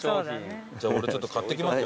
じゃあ俺ちょっと買ってきますよ